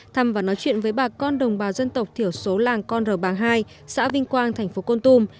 thăm và nói chuyện với bà con đồng bào dân tộc thiểu số làng con rờ bàng hai xã vinh quang tp con tum